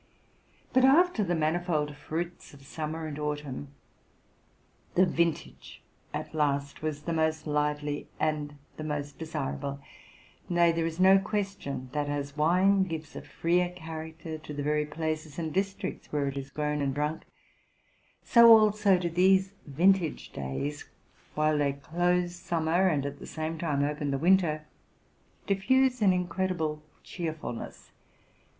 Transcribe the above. But, after the manifold fruits of summer and autumn, the vintage at last was the most lively and the most desirable ; nay, there is no question. that as wine gives a freer character to the very places and districts where it is grown and drunk, so also do these vin tage days, while they close summer and at the same time open the winter, diffuse an incredible cheerfulness.